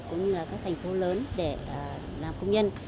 cũng như là các thành phố lớn để làm công nhân